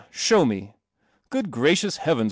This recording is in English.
. Show me. ( I graciou heavens